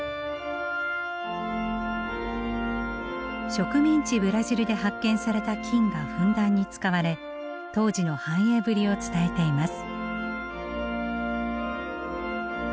植民地ブラジルで発見された金がふんだんに使われ当時の繁栄ぶりを伝えています。